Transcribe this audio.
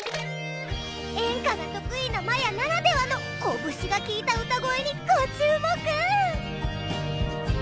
演歌が得意なまやならではのこぶしがきいた歌声にご注目！